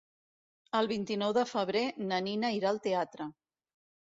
El vint-i-nou de febrer na Nina irà al teatre.